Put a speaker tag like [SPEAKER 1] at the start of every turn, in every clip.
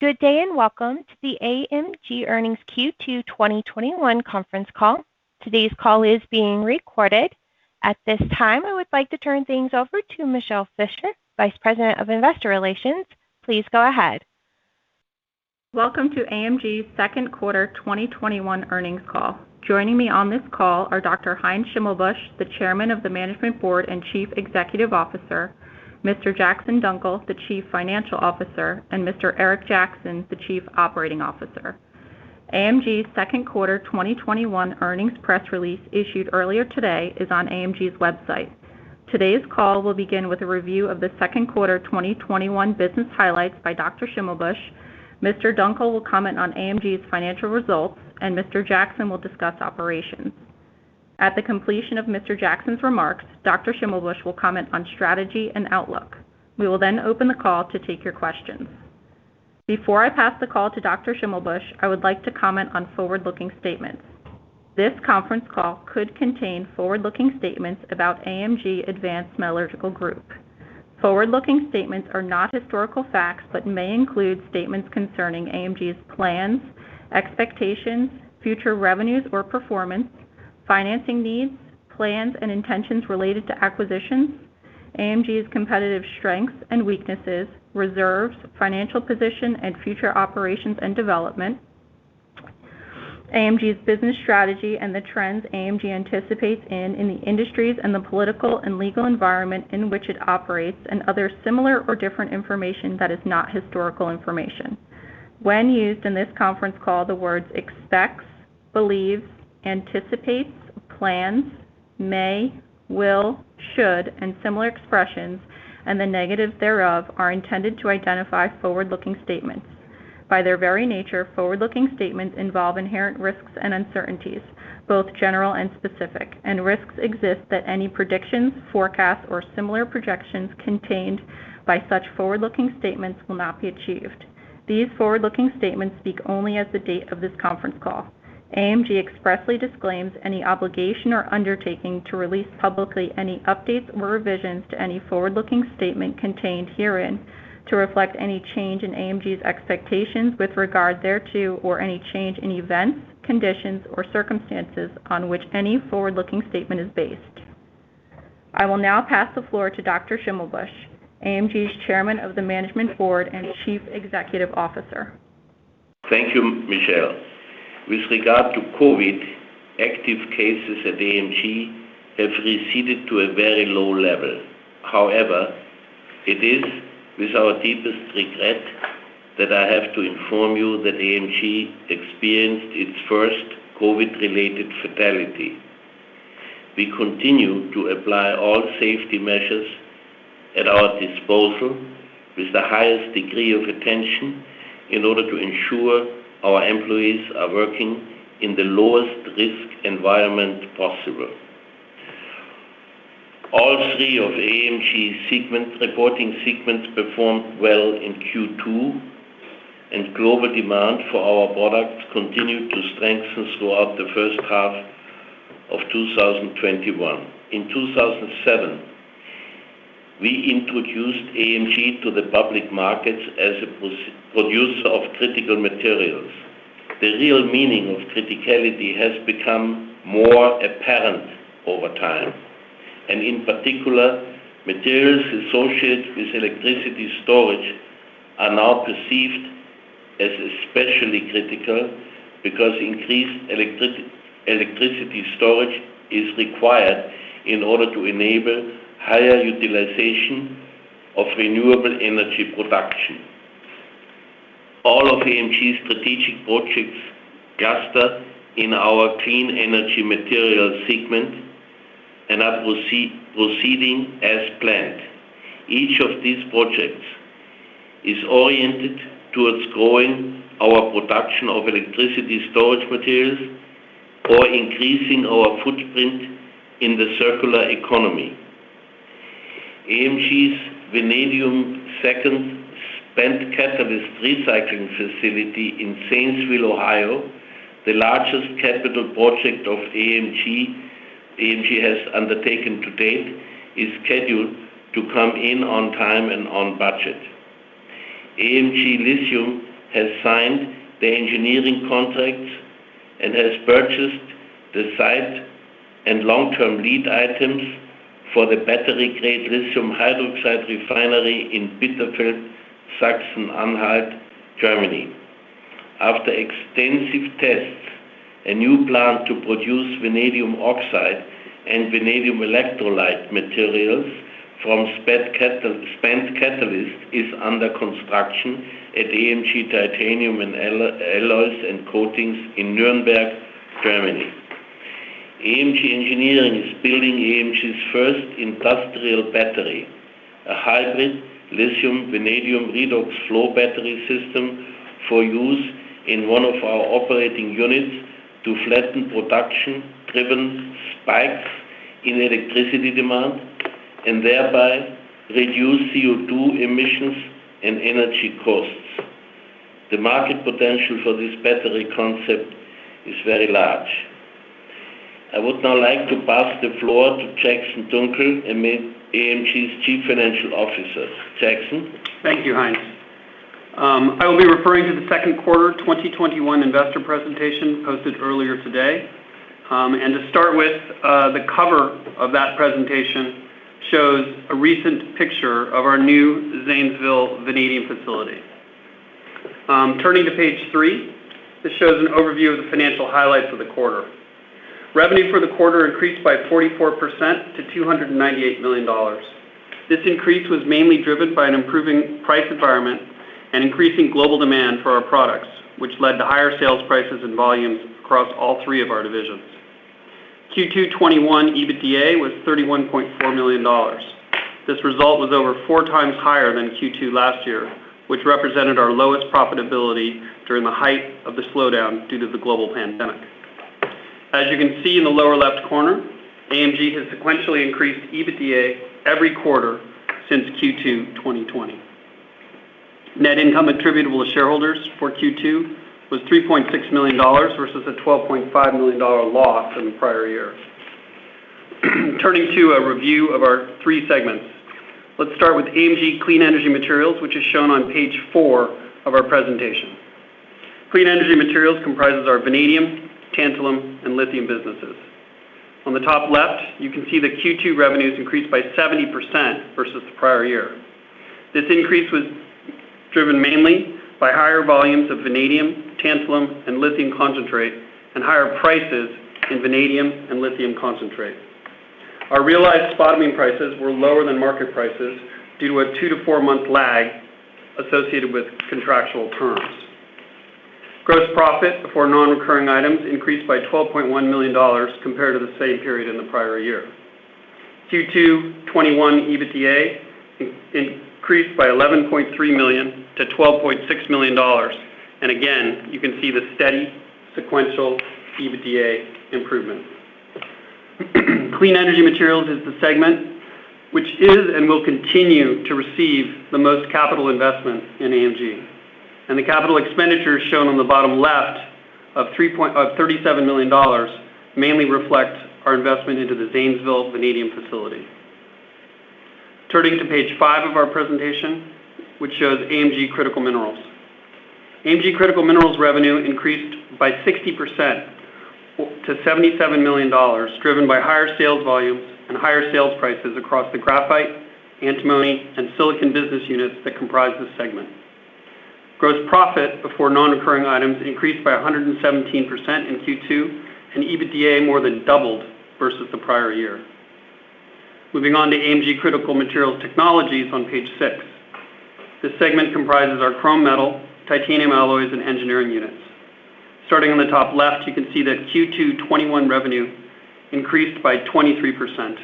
[SPEAKER 1] Good day, and welcome to the AMG Earnings Q2 2021 conference call. Today's call is being recorded. At this time, I would like to turn things over to Michele Fischer, Vice President of Investor Relations. Please go ahead.
[SPEAKER 2] Welcome to AMG's second quarter 2021 earnings call. Joining me on this call are Dr. Heinz Schimmelbusch, the Chairman of the Management Board and Chief Executive Officer, Mr. Jackson Dunckel, the Chief Financial Officer, and Mr. Eric Jackson, the Chief Operating Officer. AMG's second quarter 2021 earnings press release issued earlier today is on AMG's website. Today's call will begin with a review of the second quarter 2021 business highlights by Dr. Schimmelbusch. Mr. Dunckel will comment on AMG's financial results, and Mr. Jackson will discuss operations. At the completion of Mr. Jackson's remarks, Dr. Schimmelbusch will comment on strategy and outlook. We will then open the call to take your questions. Before I pass the call to Dr. Schimmelbusch, I would like to comment on forward-looking statements. This conference call could contain forward-looking statements about AMG Advanced Metallurgical Group. Forward-looking statements are not historical facts, but may include statements concerning AMG's plans, expectations, future revenues or performance, financing needs, plans and intentions related to acquisitions, AMG's competitive strengths and weaknesses, reserves, financial position, and future operations and development, AMG's business strategy and the trends AMG anticipates in the industries and the political and legal environment in which it operates and other similar or different information that is not historical information. When used in this conference call, the words expects, believes, anticipates, plans, may, will, should, and similar expressions, and the negatives thereof, are intended to identify forward-looking statements. By their very nature, forward-looking statements involve inherent risks and uncertainties, both general and specific, and risks exist that any predictions, forecasts, or similar projections contained by such forward-looking statements will not be achieved. These forward-looking statements speak only as the date of this conference call. AMG expressly disclaims any obligation or undertaking to release publicly any updates or revisions to any forward-looking statement contained herein to reflect any change in AMG's expectations with regard thereto or any change in events, conditions, or circumstances on which any forward-looking statement is based. I will now pass the floor to Dr. Schimmelbusch, AMG's Chairman of the Management Board and Chief Executive Officer.
[SPEAKER 3] Thank you, Michele Fischer. With regard to COVID, active cases at AMG have receded to a very low level. However, it is with our deepest regret that I have to inform you that AMG experienced its first COVID-related fatality. We continue to apply all safety measures at our disposal with the highest degree of attention in order to ensure our employees are working in the lowest risk environment possible. All three of AMG's reporting segments performed well in Q2, and global demand for our products continued to strengthen throughout the first half of 2021. In 2007, we introduced AMG to the public markets as a producer of critical materials. The real meaning of criticality has become more apparent over time, and in particular, materials associated with electricity storage are now perceived as especially critical because increased electricity storage is required in order to enable higher utilization of renewable energy production. All of AMG's strategic projects cluster in our AMG Clean Energy Materials segment and are proceeding as planned. Each of these projects is oriented towards growing our production of electricity storage materials or increasing our footprint in the circular economy. AMG Vanadium's second spent catalyst recycling facility in Zanesville, Ohio, the largest capital project AMG has undertaken to date, is scheduled to come in on time and on budget. AMG Lithium has signed the engineering contract and has purchased the site and long-term lead items for the battery-grade lithium hydroxide refinery in Bitterfeld, Germany. After extensive tests, a new plant to produce vanadium oxide and vanadium electrolyte materials from spent catalyst is under construction at AMG Titanium Alloys and Coatings in Nuremberg, Germany. AMG Engineering is building AMG's first industrial battery, a hybrid lithium vanadium redox flow battery system for use in one of our operating units to flatten production-driven spikes in electricity demand and thereby reduce CO2 emissions and energy costs. The market potential for this battery concept is very large. I would now like to pass the floor to Jackson Dunckel, AMG's Chief Financial Officer. Jackson?
[SPEAKER 4] Thank you, Heinz. I will be referring to the second quarter 2021 investor presentation posted earlier today. To start with, the cover of that presentation shows a recent picture of our new Zanesville vanadium facility. Turning to page 3, this shows an overview of the financial highlights of the quarter. Revenue for the quarter increased by 44% to $298 million. This increase was mainly driven by an improving price environment and increasing global demand for our products, which led to higher sales prices and volumes across all 3 of our divisions. Q2 2021 EBITDA was $31.4 million. This result was over 4 times higher than Q2 last year, which represented our lowest profitability during the height of the slowdown due to the global pandemic. As you can see in the lower-left corner, AMG has sequentially increased EBITDA every quarter since Q2 2020. Net income attributable to shareholders for Q2 was $3.6 million, versus a $12.5 million loss in the prior year. Turning to a review of our three segments. Let's start with AMG Clean Energy Materials, which is shown on page four of our presentation. Clean Energy Materials comprises our vanadium, tantalum, and lithium businesses. On the top left, you can see that Q2 revenues increased by 70% versus the prior year. This increase was driven mainly by higher volumes of vanadium, tantalum, and lithium concentrate, and higher prices in vanadium and lithium concentrate. Our realized spot mining prices were lower than market prices due to a two to four-month lag associated with contractual terms. Gross profit before non-recurring items increased by $12.1 million compared to the same period in the prior year. Q2 2021 EBITDA increased by $11.3 million-$12.6 million. Again, you can see the steady sequential EBITDA improvement. AMG Clean Energy Materials is the segment which is and will continue to receive the most capital investment in AMG. The capital expenditures shown on the bottom left of EUR 37 million mainly reflect our investment into the Zanesville vanadium facility. Turning to Page five of our presentation, which shows AMG Critical Minerals. AMG Critical Minerals revenue increased by 60% to EUR 77 million, driven by higher sales volumes and higher sales prices across the graphite, antimony, and silicon business units that comprise this segment. Gross profit before non-recurring items increased by 117% in Q2, and EBITDA more than doubled versus the prior year. AMG Critical Materials Technologies on page 6. This segment comprises our chrome metal, titanium alloys, and engineering units. You can see that Q2 2021 revenue increased by 23%.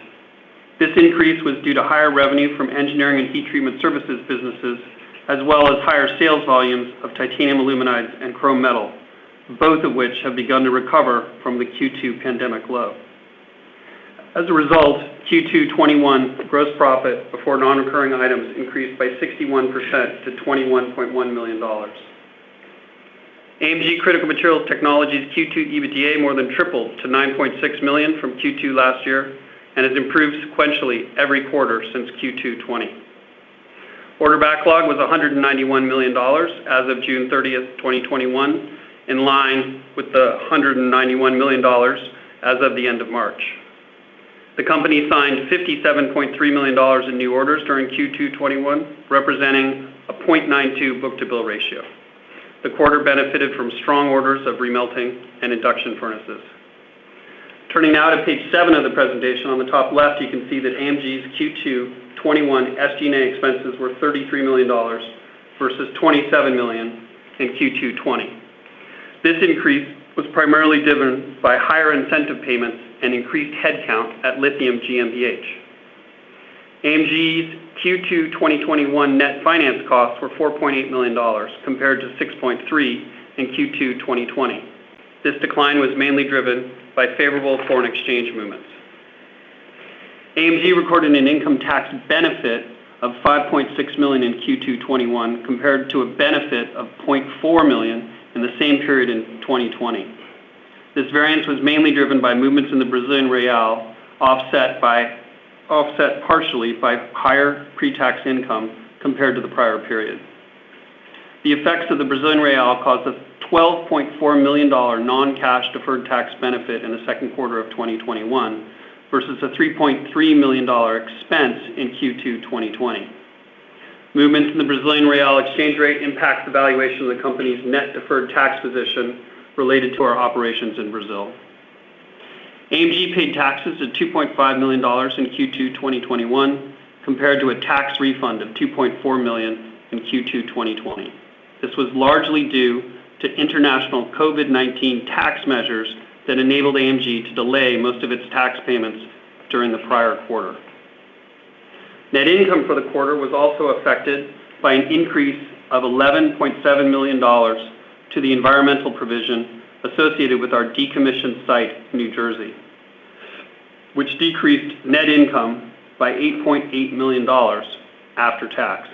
[SPEAKER 4] This increase was due to higher revenue from engineering and heat treatment services businesses, as well as higher sales volumes of titanium aluminides and chrome metal, both of which have begun to recover from the Q2 pandemic low. As a result, Q2 2021 gross profit before non-recurring items increased by 61% to EUR 21.1 million. AMG Critical Materials Technologies Q2 EBITDA more than tripled to 9.6 million from Q2 last year and has improved sequentially every quarter since Q2 2020. Order backlog was EUR 191 million as of June 30th, 2021, in line with the EUR 191 million as of the end of March. The company signed EUR 57.3 million in new orders during Q2 2021, representing a 0.92 book-to-bill ratio. The quarter benefited from strong orders of remelting and induction furnaces. Turning now to Page seven of the presentation, on the top left, you can see that AMG's Q2 2021 SG&A expenses were EUR 33 million versus 27 million in Q2 2020. This increase was primarily driven by higher incentive payments and increased headcount at Lithium GmbH. AMG's Q2 2021 net finance costs were EUR 4.8 million compared to 6.3 in Q2 2020. This decline was mainly driven by favorable foreign exchange movements. AMG recorded an income tax benefit of 5.6 million in Q2 2021 compared to a benefit of 0.4 million in the same period in 2020. This variance was mainly driven by movements in the Brazilian real, offset partially by higher pre-tax income compared to the prior period. The effects of the Brazilian real caused a EUR 12.4 million non-cash deferred tax benefit in the second quarter of 2021, versus a EUR 3.3 million expense in Q2 2020. Movements in the Brazilian real exchange rate impact the valuation of the company's net deferred tax position related to our operations in Brazil. AMG paid taxes of EUR 2.5 million in Q2 2021, compared to a tax refund of 2.4 million in Q2 2020. This was largely due to international COVID-19 tax measures that enabled AMG to delay most of its tax payments during the prior quarter. Net income for the quarter was also affected by an increase of EUR 11.7 million to the environmental provision associated with our decommissioned site in New Jersey, which decreased net income by EUR 8.8 million after tax.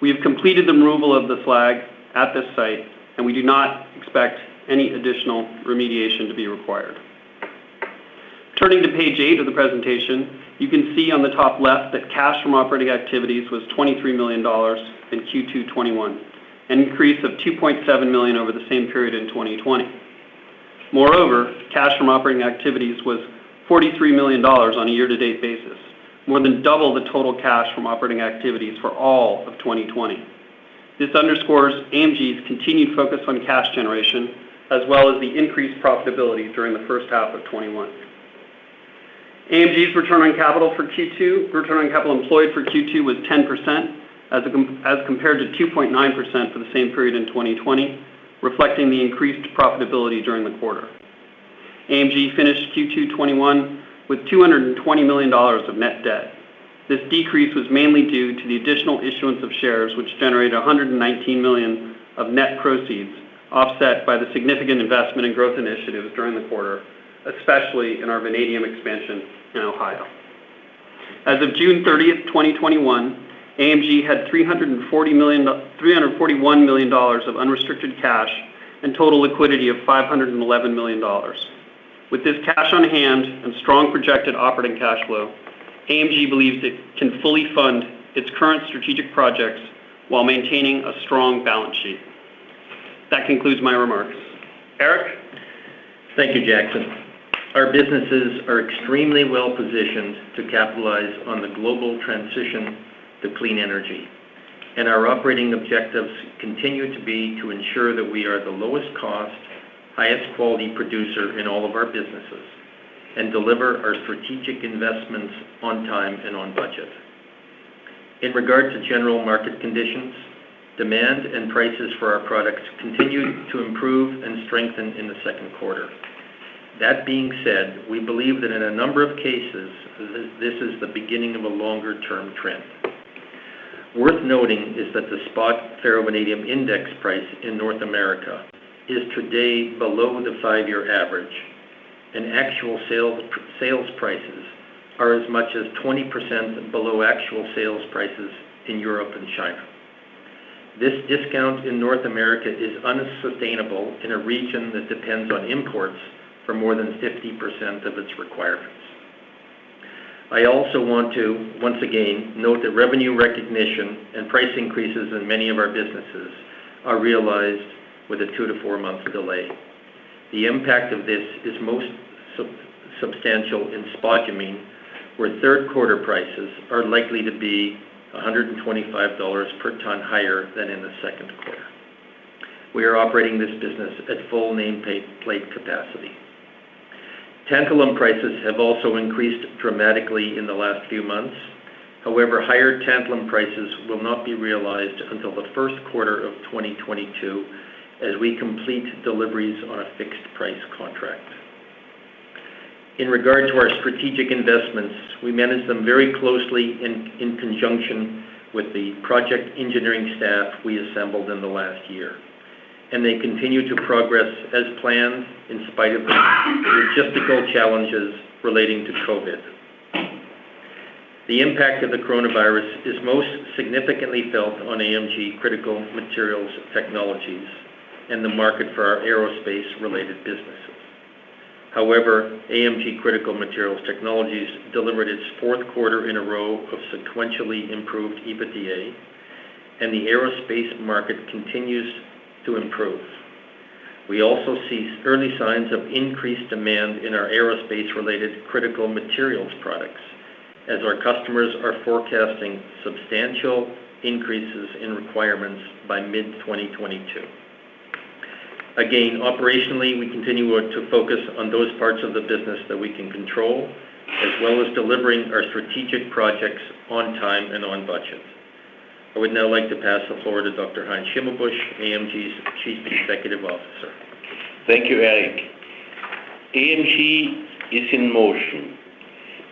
[SPEAKER 4] We have completed the removal of the slag at this site, and we do not expect any additional remediation to be required. Turning to Page eight of the presentation, you can see on the top left that cash from operating activities was EUR 23 million in Q2 2021, an increase of 2.7 million over the same period in 2020. Moreover, cash from operating activities was EUR 43 million on a year-to-date basis, more than double the total cash from operating activities for all of 2020. This underscores AMG's continued focus on cash generation, as well as the increased profitability during the first half of 2021. AMG's return on capital employed for Q2 was 10% as compared to 2.9% for the same period in 2020, reflecting the increased profitability during the quarter. AMG finished Q2 2021 with EUR 220 million of net debt. This decrease was mainly due to the additional issuance of shares, which generated 119 million of net proceeds, offset by the significant investment in growth initiatives during the quarter, especially in our vanadium expansion in Ohio. As of June 30th, 2021, AMG had EUR 341 million of unrestricted cash and total liquidity of EUR 511 million. With this cash on hand and strong projected operating cash flow, AMG believes it can fully fund its current strategic projects while maintaining a strong balance sheet. That concludes my remarks. Eric?
[SPEAKER 5] Thank you, Jackson. Our businesses are extremely well-positioned to capitalize on the global transition to clean energy, our operating objectives continue to be to ensure that we are the lowest cost, highest quality producer in all of our businesses and deliver our strategic investments on time and on budget. In regard to general market conditions, demand and prices for our products continued to improve and strengthen in the second quarter. That being said, we believe that in a number of cases, this is the beginning of a longer-term trend. Worth noting is that the spot ferrovanadium index price in North America is today below the five-year average, actual sales prices are as much as 20% below actual sales prices in Europe and China. This discount in North America is unsustainable in a region that depends on imports for more than 50% of its requirements. I also want to, once again, note that revenue recognition and price increases in many of our businesses are realized with a two to four-month delay. The impact of this is most substantial in spodumene, where third quarter prices are likely to be EUR 125 per ton higher than in the second quarter. We are operating this business at full nameplate capacity. Tantalum prices have also increased dramatically in the last few months. Higher tantalum prices will not be realized until the first quarter of 2022 as we complete deliveries on a fixed price contract. In regard to our strategic investments, we manage them very closely in conjunction with the project engineering staff we assembled in the last year, and they continue to progress as planned in spite of the logistical challenges relating to COVID. The impact of the coronavirus is most significantly felt on AMG Critical Materials Technologies and the market for our aerospace related businesses. However, AMG Critical Materials Technologies delivered its fourth quarter in a row of sequentially improved EBITDA, and the aerospace market continues to improve. We also see early signs of increased demand in our aerospace related critical materials products as our customers are forecasting substantial increases in requirements by mid-2022. Again, operationally, we continue to focus on those parts of the business that we can control, as well as delivering our strategic projects on time and on budget. I would now like to pass the floor to Dr. Heinz Schimmelbusch, AMG's Chief Executive Officer.
[SPEAKER 3] Thank you, Eric. AMG is in motion.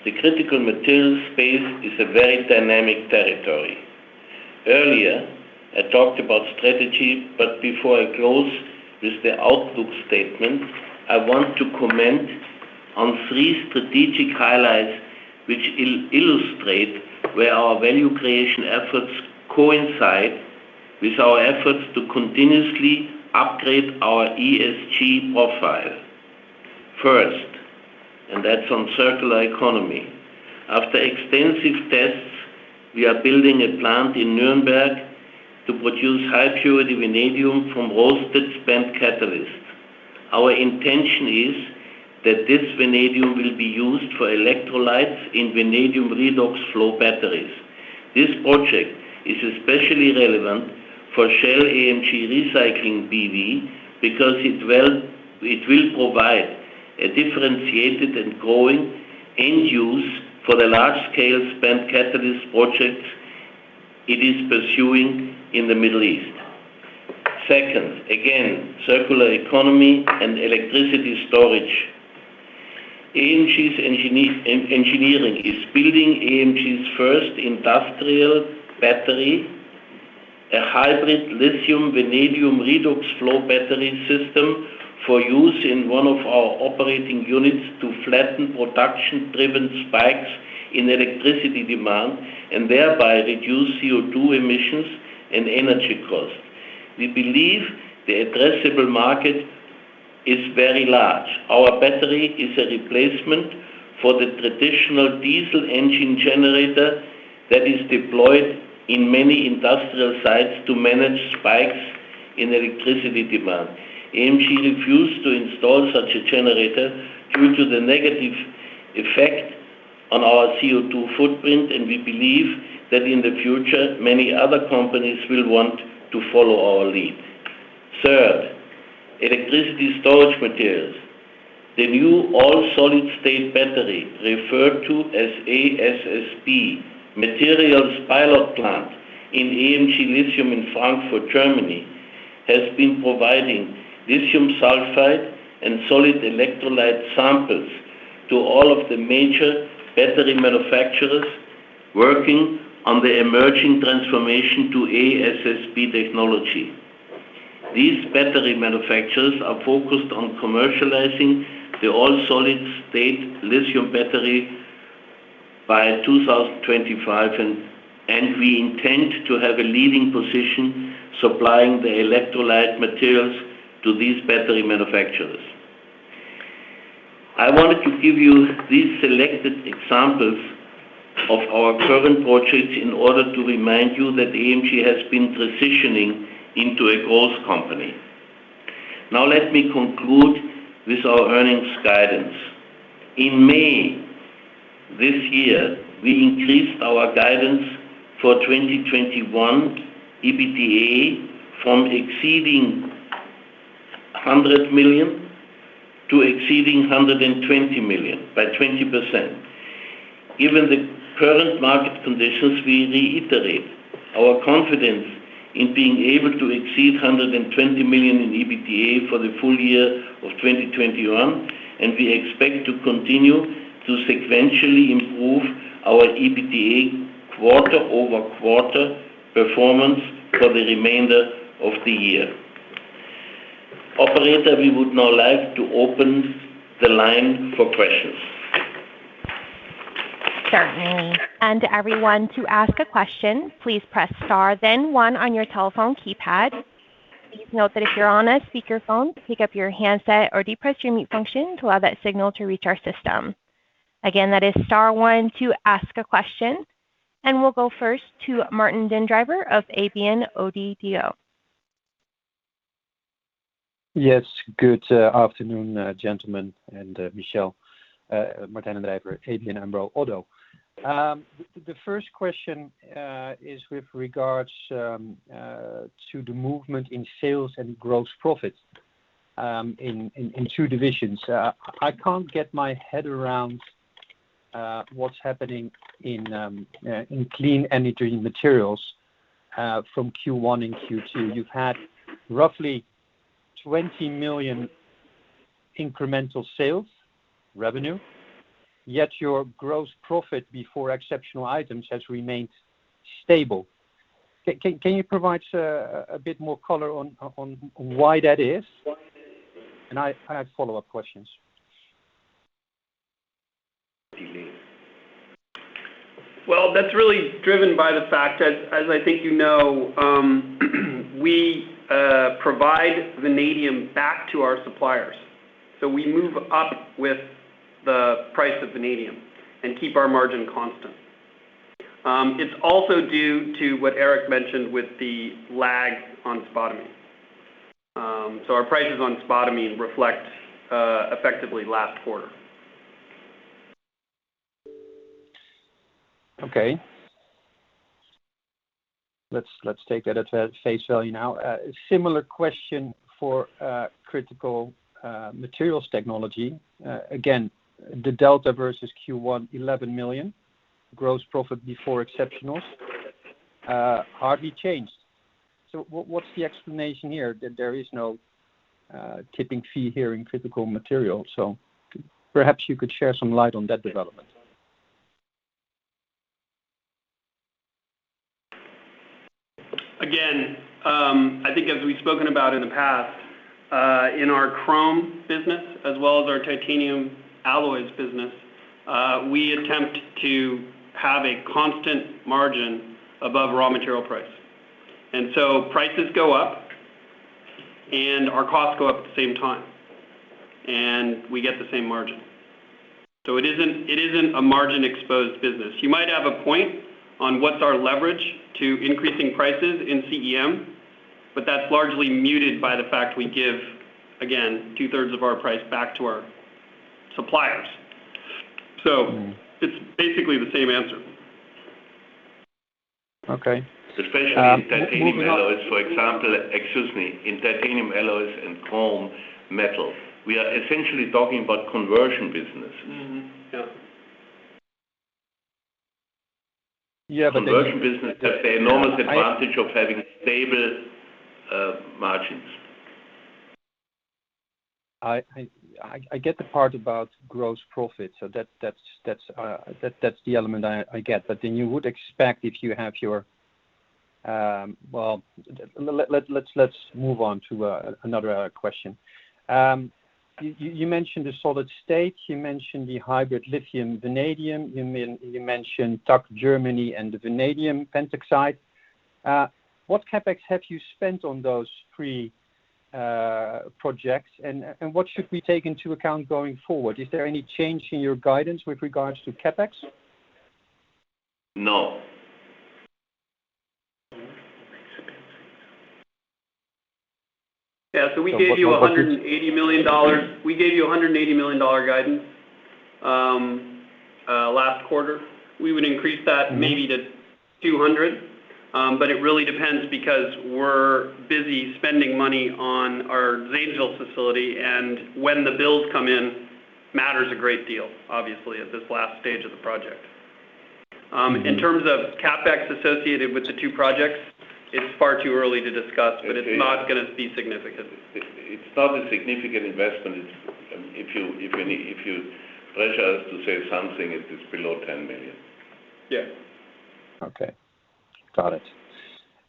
[SPEAKER 3] The critical materials space is a very dynamic territory. Earlier, I talked about strategy, but before I close with the outlook statement, I want to comment on three strategic highlights which illustrate where our value creation efforts coincide with our efforts to continuously upgrade our ESG profile. First, that's on circular economy. After extensive tests, we are building a plant in Nuremberg to produce high purity vanadium from roasted spent catalyst. Our intention is that this vanadium will be used for electrolytes in vanadium redox flow batteries. This project is especially relevant for Shell & AMG Recycling BV because it will provide a differentiated and growing end use for the large scale spent catalyst project it is pursuing in the Middle East. Second, again, circular economy and electricity storage. AMG Engineering is building AMG's first industrial battery, a hybrid lithium vanadium redox flow battery system for use in one of our operating units to flatten production-driven spikes in electricity demand and thereby reduce CO₂ emissions and energy costs. We believe the addressable market is very large. Our battery is a replacement for the traditional diesel engine generator that is deployed in many industrial sites to manage spikes in electricity demand. AMG refused to install such a generator due to the negative effect on our CO₂ footprint, and we believe that in the future, many other companies will want to follow our lead. Third, electricity storage materials. The new all-solid-state battery, referred to as ASSB, materials pilot plant in AMG Lithium in Frankfurt, Germany, has been providing lithium sulfide and solid electrolyte samples to all of the major battery manufacturers working on the emerging transformation to ASSB technology. These battery manufacturers are focused on commercializing the all-solid-state lithium battery by 2025, and we intend to have a leading position supplying the electrolyte materials to these battery manufacturers. I wanted to give you these selected examples of our current portraits in order to remind you that AMG has been transitioning into a growth company. Now let me conclude with our earnings guidance. In May this year, we increased our guidance for 2021 EBITDA from exceeding 100 million to exceeding 120 million, by 20%. Given the current market conditions, we reiterate our confidence in being able to exceed 120 million in EBITDA for the full year of 2021, and we expect to continue to sequentially improve our EBITDA quarter-over-quarter performance for the remainder of the year. Operator, we would now like to open the line for questions.
[SPEAKER 1] Certainly. Everyone to ask a question please press star then one on your telephone keypad. Please note that if you are on the speaker phone pick up your handset or press the function to return signal to the system. Again star one to ask a question. We'll go first to Martijn den Drijver of ABN ODDO.
[SPEAKER 6] Yes. Good afternoon, gentlemen, and Michele. Martijn den Drijver, ABN AMRO-ODDO BHF. The first question is with regards to the movement in sales and gross profit in two divisions. I can't get my head around what's happening in AMG Clean Energy Materials from Q1 and Q2. You've had roughly EUR 20 million incremental sales revenue, yet your gross profit before exceptional items has remained stable. Can you provide a bit more color on why that is? I have follow-up questions.
[SPEAKER 4] That's really driven by the fact that, as I think you know we provide vanadium back to our suppliers. We move up with the price of vanadium and keep our margin constant. It's also due to what Eric mentioned with the lag on spodumene. Our prices on spodumene reflect effectively last quarter.
[SPEAKER 6] Okay. Let's take that at face value now. A similar question for Critical Materials Technology. Again, the delta versus Q1, 11 million. Gross profit before exceptionals, hardly changed. What's the explanation here? That there is no tipping fee here in Critical Materials. Perhaps you could share some light on that development.
[SPEAKER 4] I think as we've spoken about in the past, in our chrome business as well as our titanium alloys business, we attempt to have a constant margin above raw material price. Prices go up, and our costs go up at the same time, and we get the same margin. It isn't a margin-exposed business. You might have a point on what's our leverage to increasing prices in CEM, but that's largely muted by the fact we give, again, two-thirds of our price back to our suppliers. It's basically the same answer.
[SPEAKER 6] Okay.
[SPEAKER 3] Especially in titanium alloys, for example. Excuse me. In titanium alloys and chrome metals, we are essentially talking about conversion businesses.
[SPEAKER 4] Mm-hmm. Yeah.
[SPEAKER 6] Yeah.
[SPEAKER 3] Conversion business has the enormous advantage of having stable margins.
[SPEAKER 6] I get the part about gross profit. That's the element I get. Let's move on to another question. You mentioned the solid-state, you mentioned the hybrid lithium vanadium, you mentioned tuck Germany and the vanadium pentoxide. What CapEx have you spent on those three projects, and what should we take into account going forward? Is there any change in your guidance with regards to CapEx?
[SPEAKER 3] No.
[SPEAKER 4] We gave you EUR 180 million guidance last quarter. We would increase that maybe to 200 million, but it really depends because we're busy spending money on our Zanesville facility, and when the bills come in matters a great deal, obviously, at this last stage of the project. In terms of CapEx associated with the two projects, it's far too early to discuss, but it's not going to be significant.
[SPEAKER 3] It's not a significant investment. If you pressure us to say something, it is below 10 million.
[SPEAKER 4] Yeah.
[SPEAKER 6] Okay. Got it.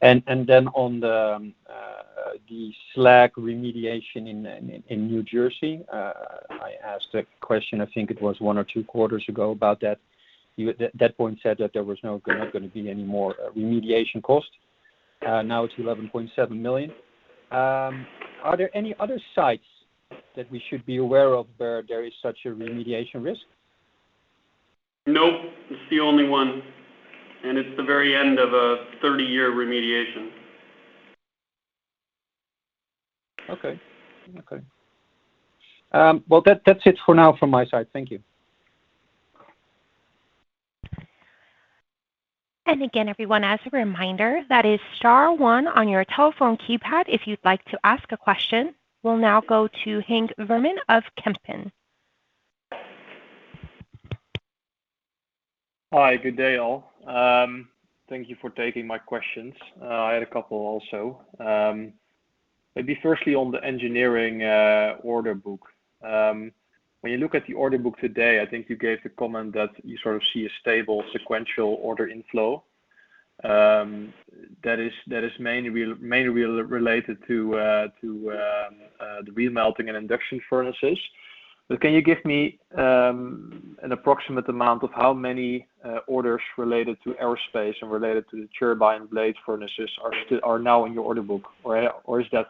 [SPEAKER 6] On the slag remediation in New Jersey, I asked a question, I think it was one or two quarters ago, about that. You at that point said that there was not going to be any more remediation cost. Now it's 11.7 million. Are there any other sites that we should be aware of where there is such a remediation risk?
[SPEAKER 4] Nope. It's the only one, and it's the very end of a 30-year remediation.
[SPEAKER 6] Okay. Well, that's it for now from my side. Thank you.
[SPEAKER 1] Again, everyone, as a reminder, that is star one on your telephone keypad if you'd like to ask a question. We'll now go to Henk Veerman of Kempen.
[SPEAKER 7] Hi. Good day, all. Thank you for taking my questions. I had a couple also. Maybe firstly on the engineering order book. When you look at the order book today, I think you gave the comment that you sort of see a stable sequential order inflow. That is mainly related to the re-melting and induction furnaces. Can you give me an approximate amount of how many orders related to aerospace and related to the turbine blade furnaces are now in your order book? Is that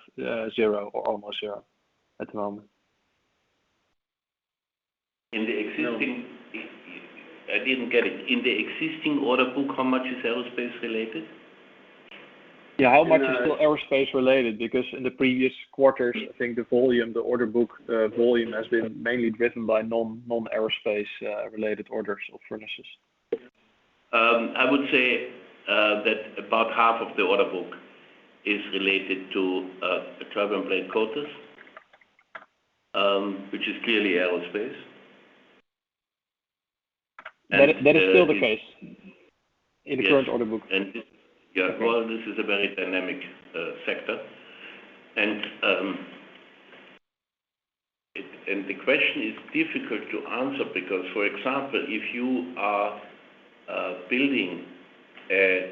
[SPEAKER 7] zero or almost zero at the moment?
[SPEAKER 3] I didn't get it. In the existing order book, how much is aerospace related?
[SPEAKER 7] Yeah, how much is still aerospace related? Because in the previous quarters, I think the volume, the order book volume, has been mainly driven by non-aerospace related orders of furnaces.
[SPEAKER 3] I would say that about half of the order book is related to turbine blade coaters, which is clearly aerospace.
[SPEAKER 7] That is still the case in the current order book?
[SPEAKER 3] Well, this is a very dynamic sector, the question is difficult to answer because, for example, if you are building a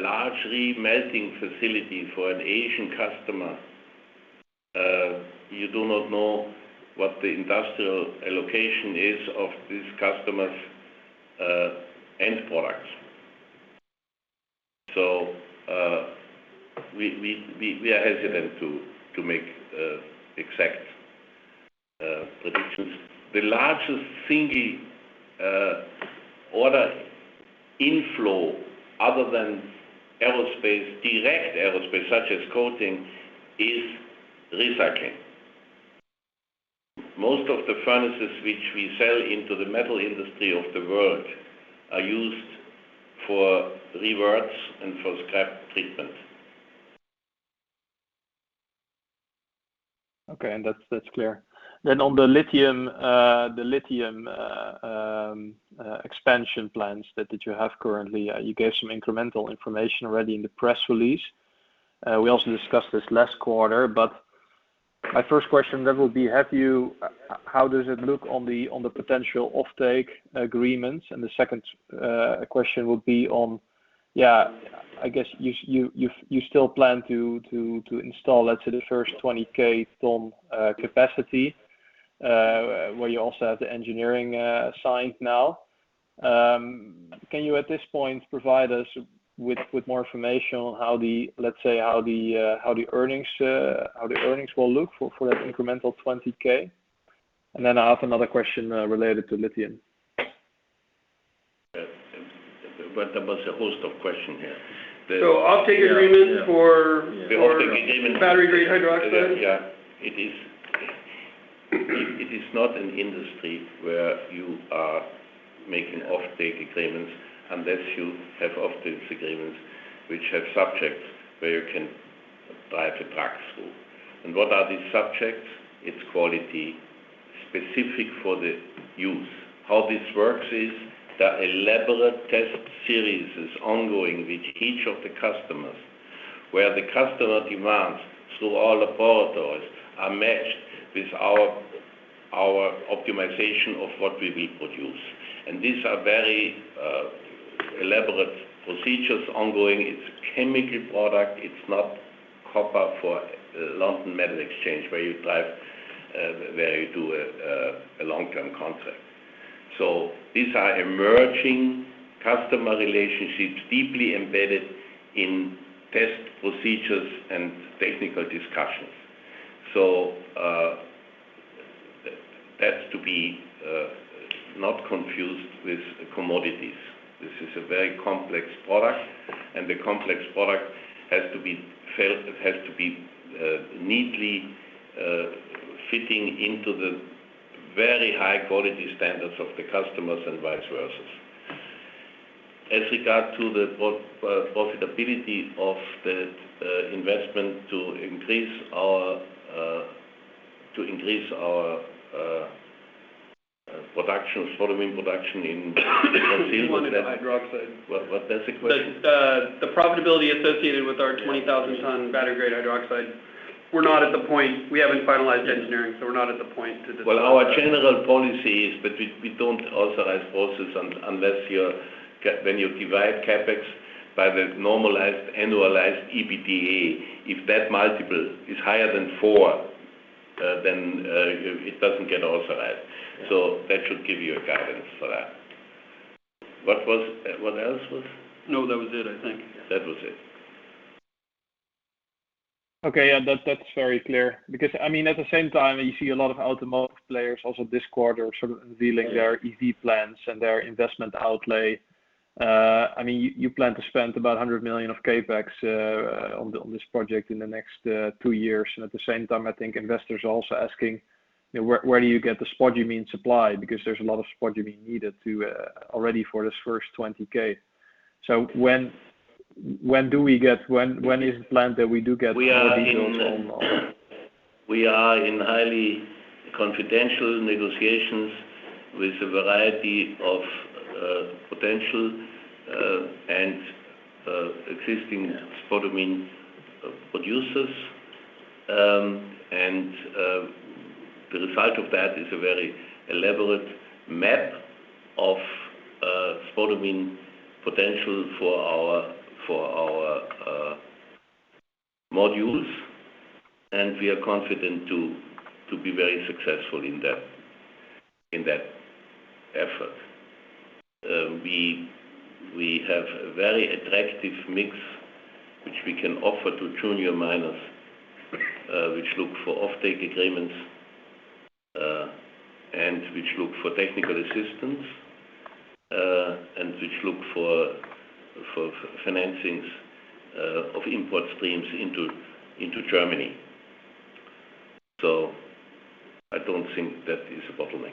[SPEAKER 3] large re-melting facility for an Asian customer, you do not know what the industrial allocation is of this customer's end products. We are hesitant to make exact predictions. The largest single order inflow, other than direct aerospace, such as coating, is recycling. Most of the furnaces which we sell into the metal industry of the world are used for reverts and for scrap treatment.
[SPEAKER 7] Okay, that's clear. On the lithium expansion plans that you have currently, you gave some incremental information already in the press release. We also discussed this last quarter. My first question would be, how does it look on the potential offtake agreements? The second question would be on, I guess you still plan to install, let's say, the first 20,000 ton capacity, where you also have the engineering assigned now. Can you, at this point, provide us with more information on, let's say, how the earnings will look for that incremental 20,000? I have another question related to lithium.
[SPEAKER 3] That was a host of question here.
[SPEAKER 4] Offtake agreement.
[SPEAKER 3] The offtake agreement.
[SPEAKER 4] battery grade hydroxide?
[SPEAKER 3] Yeah. It is not an industry where you are making offtake agreements unless you have offtake agreements which have subjects where you can drive a truck through. What are these subjects? It's quality specific for the use. How this works is there are elaborate test series ongoing with each of the customers. Where the customer demands through all the portfolios are matched with our optimization of what we produce. These are very elaborate procedures ongoing. It's a chemical product. It's not copper for London Metal Exchange, where you do a long-term contract. These are emerging customer relationships deeply embedded in test procedures and technical discussions. That's to be not confused with commodities. This is a very complex product, and the complex product has to be neatly fitting into the very high quality standards of the customers and vice versa. As regard to the profitability of the investment to increase our spodumene production in Brazil.
[SPEAKER 4] You wanted the hydroxide.
[SPEAKER 3] What? That's the question?
[SPEAKER 4] The profitability associated with our 20,000 tons battery-grade hydroxide. We're not at the point. We haven't finalized engineering, so we're not at the point to discuss that.
[SPEAKER 3] Well, our general policy is, but we don't authorize process unless when you divide CapEx by the normalized, annualized EBITDA. If that multiple is higher than four then it doesn't get authorized. That should give you a guidance for that. What else was?
[SPEAKER 4] No, that was it, I think.
[SPEAKER 3] That was it.
[SPEAKER 7] Okay. Yeah, that's very clear because at the same time, you see a lot of automotive players also this quarter sort of revealing their EV plans and their investment outlay. You plan to spend about 100 million of CapEx on this project in the next two years. At the same time, I think investors are also asking, where do you get the spodumene supply? Because there's a lot of spodumene needed already for this first 20K. When is the plan that we do get more details on?
[SPEAKER 3] We are in highly confidential negotiations with a variety of potential and existing spodumene producers. The result of that is a very elaborate map of spodumene potential for our modules. We are confident to be very successful in that effort. We have a very attractive mix, which we can offer to junior miners, which look for off-take agreements, and which look for technical assistance, and which look for financings of import streams into Germany. I don't think that is a bottleneck.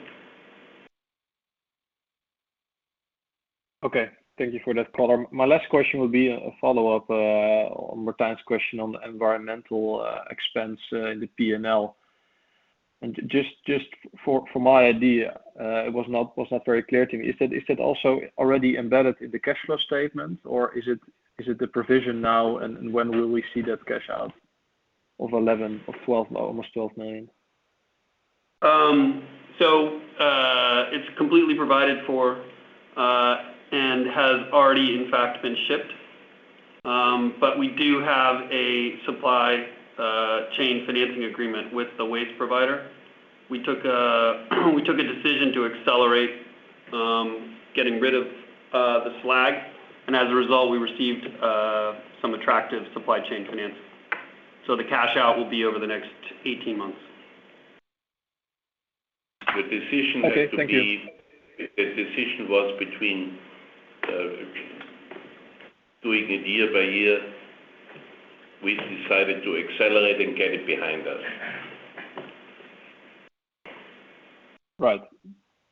[SPEAKER 7] Okay. Thank you for that color. My last question would be a follow-up on Martijn's question on the environmental expense in the P&L. Just for my idea, it was not very clear to me. Is that also already embedded in the cash flow statement, or is it the provision now, and when will we see that cash out of almost 12 million?
[SPEAKER 4] It's completely provided for and has already in fact been shipped. We do have a supply chain financing agreement with the waste provider. We took a decision to accelerate getting rid of the slag, and as a result, we received some attractive supply chain financing. The cash out will be over the next 18 months.
[SPEAKER 3] The decision had to be-
[SPEAKER 7] Okay. Thank you
[SPEAKER 3] The decision was between doing it year-by-year. We decided to accelerate and get it behind us.
[SPEAKER 7] Right.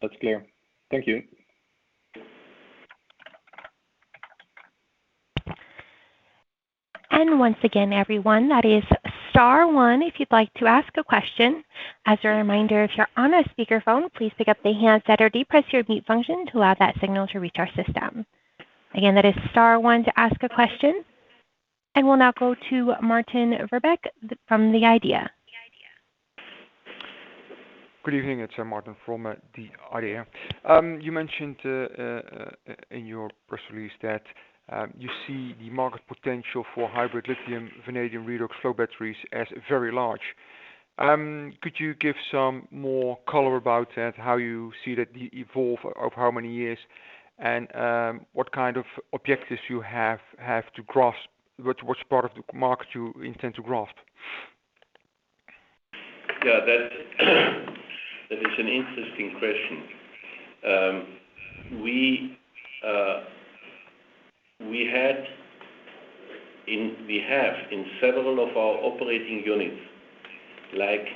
[SPEAKER 7] That is clear. Thank you.
[SPEAKER 1] Once again, everyone, that is star one if you'd like to ask a question. As a reminder, if you're on a speakerphone, please pick up the handset or depress your mute function to allow that signal to reach our system. Again, that is star one to ask a question. We'll now go to Maarten Verbeek from The Idea.
[SPEAKER 8] Good evening. It's Maarten from The Idea. You mentioned, in your press release that you see the market potential for hybrid lithium vanadium redox flow batteries as very large. Could you give some more color about that, how you see that evolve, over how many years, and what kind of objectives you have to grasp, which part of the market you intend to grasp?
[SPEAKER 3] Yeah, that is an interesting question. We have in several of our operating units, like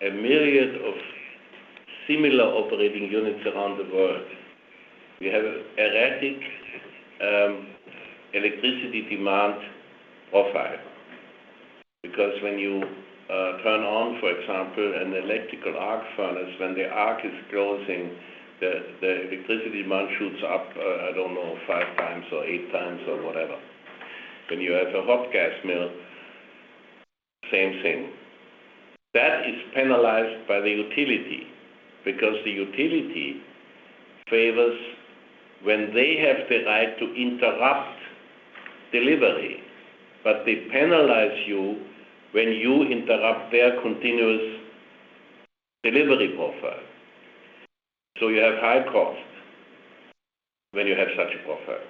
[SPEAKER 3] a myriad of similar operating units around the world. We have erratic electricity demand profiles. Because when you turn on, for example, an electrical arc furnace, when the arc is closing, the electricity demand shoots up, I don't know, five times or eight times or whatever. When you have a hot gas mill, same thing. That is penalized by the utility, because the utility favors when they have the right to interrupt delivery, but they penalize you when you interrupt their continuous delivery profile. You have high cost when you have such a profile.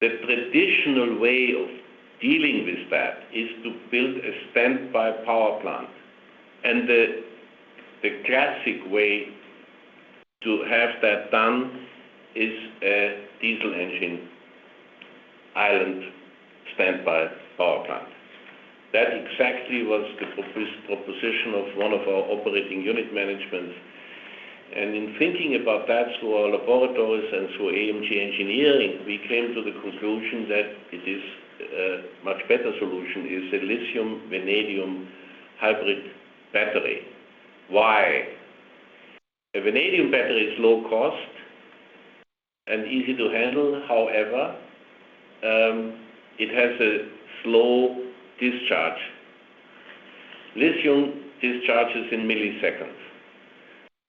[SPEAKER 3] The traditional way of dealing with that is to build a standby power plant, and the classic way to have that done is a diesel engine island standby power plant. That exactly was the proposition of one of our operating unit managements. In thinking about that through our laboratories and through AMG Engineering, we came to the conclusion that it is a much better solution is a lithium vanadium hybrid battery. Why? A vanadium battery is low cost and easy to handle. However, it has a slow discharge. Lithium discharges in milliseconds.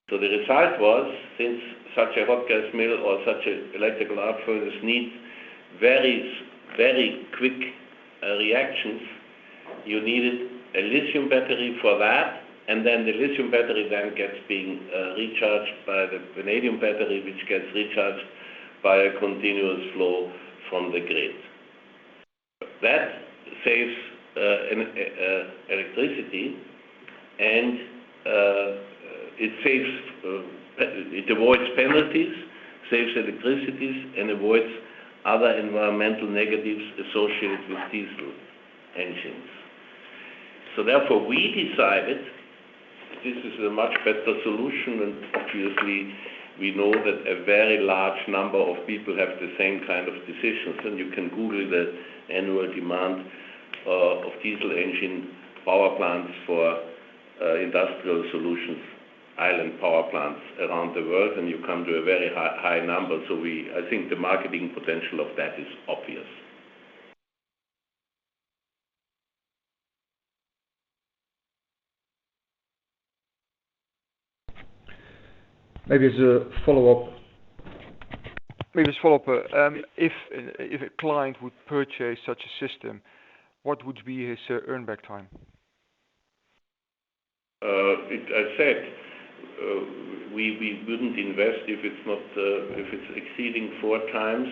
[SPEAKER 3] The result was, since such a hot gas mill or such a electrical arc furnace needs very quick reactions, you needed a lithium battery for that, and then the lithium battery then gets being recharged by the vanadium battery, which gets recharged by a continuous flow from the grid. That saves electricity, and it avoids penalties, saves electricities, and avoids other environmental negatives associated with diesel engines. Therefore, we decided this is a much better solution. Obviously, we know that a very large number of people have the same kind of decisions. You can Google the annual demand of diesel engine power plants for industrial solutions, island power plants around the world, and you come to a very high number. I think the marketing potential of that is obvious.
[SPEAKER 8] Maybe as a follow-up, if a client would purchase such a system, what would be his earn-back time?
[SPEAKER 3] I said, we wouldn't invest if it's exceeding four times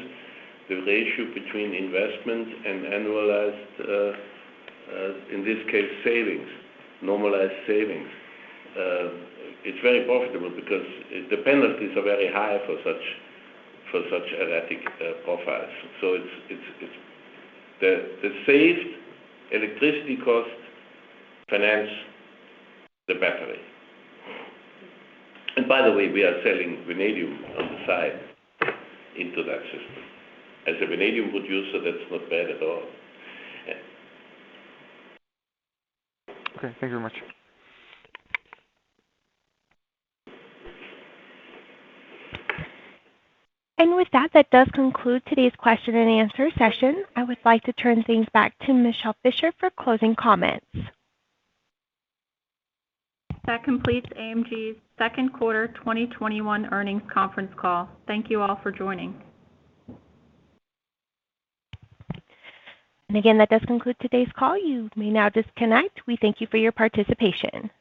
[SPEAKER 3] the ratio between investment and annualized, in this case, savings, normalized savings. It's very profitable because the penalties are very high for such erratic profiles. The saved electricity cost finance the battery. By the way, we are selling vanadium on the side into that system. As a vanadium producer, that's not bad at all.
[SPEAKER 8] Okay. Thank you very much.
[SPEAKER 1] With that does conclude today's question-and-answer session. I would like to turn things back to Michele Fischer for closing comments.
[SPEAKER 2] That completes AMG's second quarter 2021 earnings conference call. Thank you all for joining.
[SPEAKER 1] Again, that does conclude today's call. You may now disconnect. We thank you for your participation.